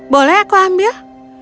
boleh aku ambil